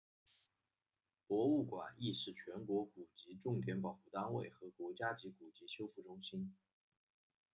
博物馆亦是全国古籍重点保护单位和国家级古籍修复中心。